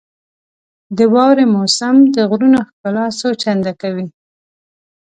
• د واورې موسم د غرونو ښکلا څو چنده کوي.